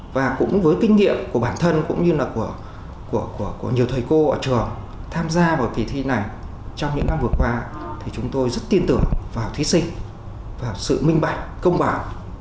và cũng với kinh nghiệm của bản thân cũng như là của nhiều thầy cô ở trường tham gia vào kỳ thi này trong những năm vừa qua thì chúng tôi rất tin tưởng vào thí sinh và sự minh bạch công bảo